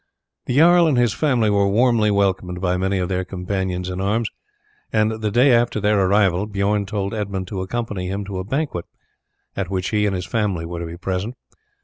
The jarl and his family were warmly welcomed by many of their companions in arms, and the day after their arrival Bijorn told Edmund to accompany him to a banquet at which he and his family were to be present.